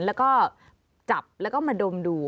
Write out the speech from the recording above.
แล้วก็จับแล้วก็มาดมดู